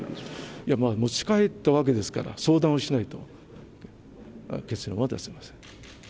いや、持ち帰ったわけですから、相談をしないと、結論は出せません。